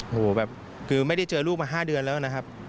โอ้โหแบบคือไม่ได้เจอลูกมา๕เดือนแล้วนะครับ